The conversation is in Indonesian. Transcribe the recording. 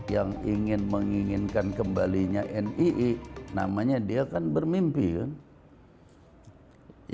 yang ingin menginginkan kembalinya nii namanya dia kan bermimpi kan